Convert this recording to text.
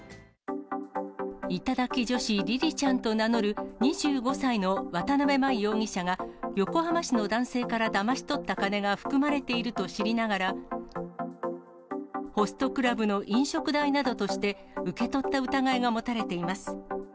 頂き女子りりちゃんと名乗る２５歳の渡辺真衣容疑者が横浜市の男性からだまし取った金が含まれていると知りながら、ホストクラブの飲食代などとして、受け取った疑いが持たれています。